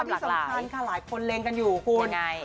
แล้วก็ความสำคัญค่ะหลายคนเล็งกันอยู่คุณ